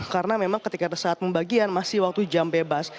karena memang ketika ada saat pembagian masih waktu jam bebas